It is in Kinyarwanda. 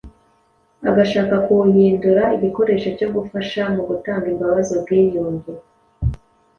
agashaka kuwuhindura igikoresho cyo gufasha mu gutanga imbabazi, ubwiyunge